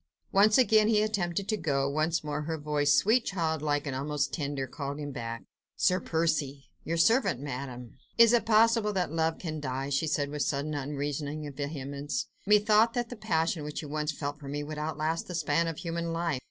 Once again he attempted to go, once more her voice, sweet, childlike, almost tender, called him back. "Sir Percy." "Your servant, Madame." "Is it possible that love can die?" she said with sudden, unreasoning vehemence. "Methought that the passion which you once felt for me would outlast the span of human life.